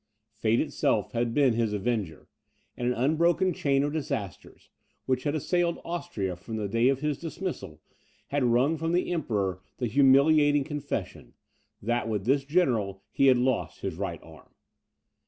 Fate itself had been his avenger, and an unbroken chain of disasters, which had assailed Austria from the day of his dismissal, had wrung from the Emperor the humiliating confession, that with this general he had lost his right arm.